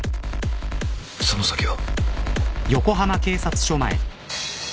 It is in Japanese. その先は。